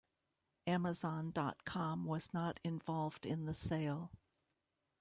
Amazon dot com was not involved in the sale.